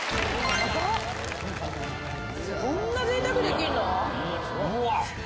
やば、こんなぜいたくできるの？